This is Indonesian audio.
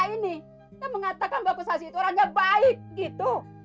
kita mengatakan bahwa sasih terangnya baik gitu